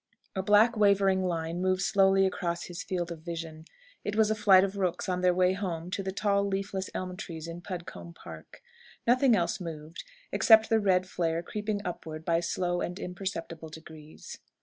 A black wavering line moved slowly across his field of vision. It was a flight of rooks on their way home to the tall leafless elm trees in Pudcombe Park. Nothing else moved, except the red flare creeping upward by slow and imperceptible degrees.